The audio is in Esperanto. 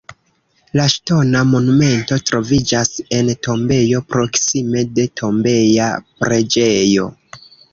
La ŝtona monumento troviĝas en tombejo proksime de tombeja preĝejo.